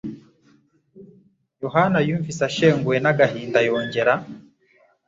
Yohana yunvise ashenguwe n'agahinda yongera